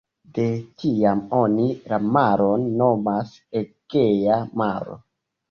De tiam oni la maron nomas Egea Maro.